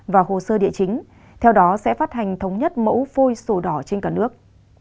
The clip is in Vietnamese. và hồ sơ địa chính theo đó sẽ phát hành thống nhất mẫu phôi sổ đỏ trên cả nước